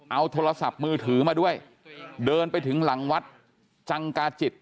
เอาโทรศัพท์มือถือมาด้วยเดินไปถึงหลังวัดจังกาจิต